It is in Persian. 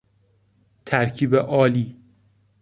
ترکیب آلی